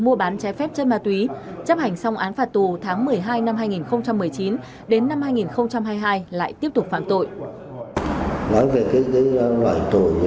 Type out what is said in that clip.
mua bán trái phép chất ma túy chấp hành xong án phạt tù tháng một mươi hai năm hai nghìn một mươi chín đến năm hai nghìn hai mươi hai lại tiếp tục phạm tội